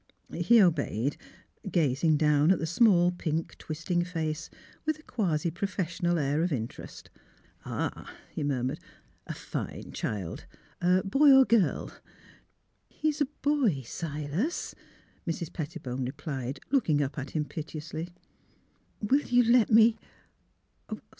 He obeyed, gazing down at the small, pink, twisting face with a quasi professional air of interest. " Ah! " he murmured, " a — er — fine child. Boy or girl? "" He is a boy, Silas," Mrs. Pettibone replied, looking up at him piteously. " Will you let me